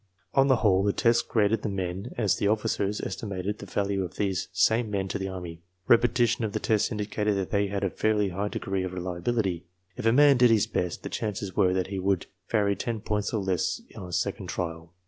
On the whole, the tests graded the men as the officers estimated the value of these same men to the army. Repetition of the tests indicated that they had a fairly high degree of reliability. •' If a man did his best, the chances were that he would vary ten points or less on a second trial.